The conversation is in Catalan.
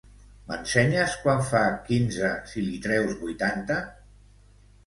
M'ensenyes quant fa quinze si li treus vuitanta?